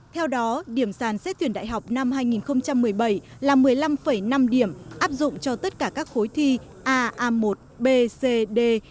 theo đó điểm sàn xét tuyển đại học năm hai nghìn một mươi bảy là một mươi năm năm điểm áp dụng cho tất cả các khối thi a a một b cd